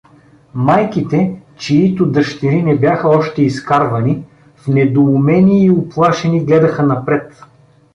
Майките, чиито дъщери не бяха още изкарвани, в недоумение и уплашени гледаха напред.